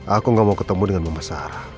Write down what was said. aku gak mau ketemu dengan mama sarah